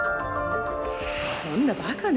そんなバカな。